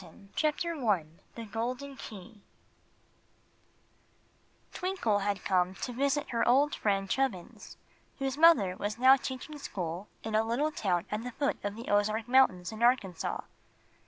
381 Chapter I The Golden Key TWINKLE had come to visit her old friend Chubbins, whose mother was now teaching school in a little town at the foot of the Ozark Mountains, in Arkansas.